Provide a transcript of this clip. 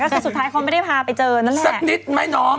ก็คือสุดท้ายความไม่ได้พาไปเจอนั่นแหละ